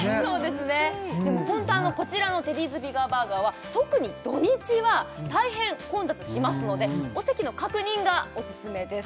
でもホントこちらのテディーズビガーバーガーは特に土日は大変混雑しますのでお席の確認がオススメです